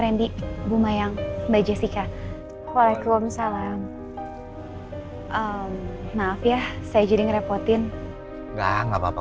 rendy bu mayang mbak jessica waalaikumsalam maaf ya saya jadi ngerepotin nggak apa apa